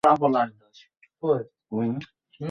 অল্পদূর এগিয়ে তা একটি গিরিপথে রূপ নেয়।